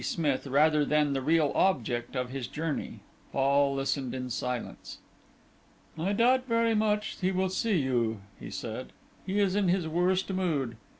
Smith rather than the real object of his journey. Fall listened in silence. "I doubt very much whether he will see you," he said: "he is in his worst mood.